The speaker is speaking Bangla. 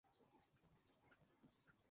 শত্রু ছাড়া যদি কেউ হতাহত হয় না?